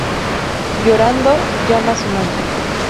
Llorando, llama a su madre.